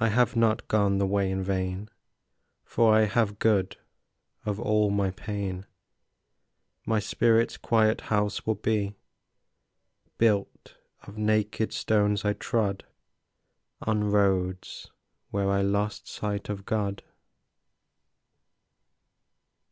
I have not gone the way in vain, For I have good of all my pain; My spirit's quiet house will be Built of naked stones I trod On roads where I lost sight of God.